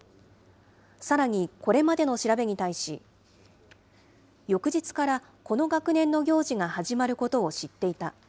さらに、これまでの調べに対し、翌日からこの学年の行事が始まることを知っていた。